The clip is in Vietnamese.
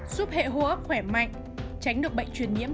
giúp hệ hô hấp khỏe mạnh tránh được bệnh truyền nhiễm